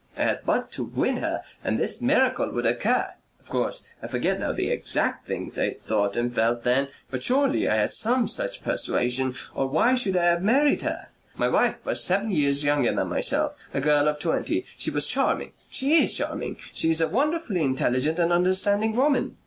I had but to win her and this miracle would occur. Of course I forget now the exact things I thought and felt then, but surely I had some such persuasion. Or why should I have married her? My wife was seven years younger than myself, a girl of twenty. She was charming. She is charming. She is a wonderfully intelligent and understanding woman.